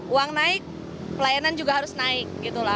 uang naik pelayanan juga harus naik